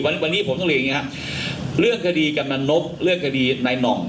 วันนี้ผมต้องเรียนอย่างนี้ครับเรื่องคดีกำนันนกเรื่องคดีนายหน่อง